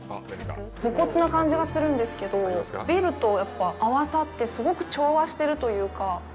武骨が感じがするんですけどビルと合わさってすごく調和してるというか。